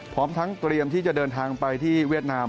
พร้อมทั้งเตรียมที่จะเดินทางไปที่เวียดนาม